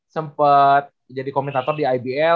sempat jadi komentator di ibl